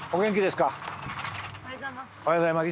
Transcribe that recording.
おはようございます。